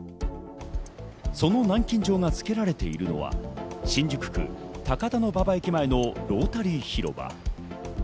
その南京錠が付けられているのは新宿区高田馬場駅前のロータリー広場。